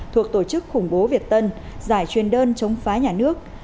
thuộc tổ chức khủng bố việt tân giải truyền đơn chống phái nhà nước